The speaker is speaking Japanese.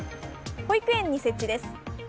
保育園に設置です。